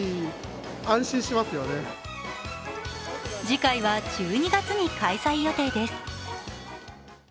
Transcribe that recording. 次回は１２月に開催予定です。